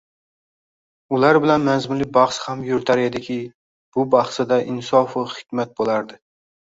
Ular bilan mazmunli bahs ham yuritar ediki, bu bahsida insofu hishmat bo‘lardi